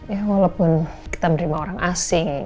ya walaupun kita menerima orang asing